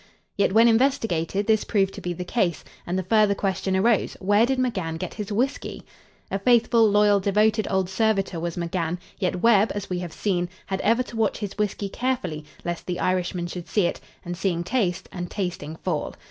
Yet, when investigated, this proved to be the case, and the further question arose, where did McGann get his whiskey? A faithful, loyal devoted old servitor was McGann, yet Webb, as we have seen, had ever to watch his whiskey carefully lest the Irishman should see it, and seeing taste, and tasting fall.